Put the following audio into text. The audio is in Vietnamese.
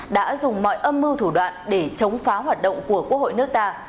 đã dùng mọi âm mưu thủ đoạn để chống phá hoạt động của quốc hội nước ta